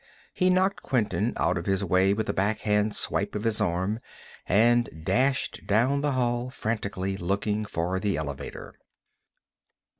He knocked Quinton out of his way with a backhand swipe of his arm and dashed down the hall frantically, looking for the elevator.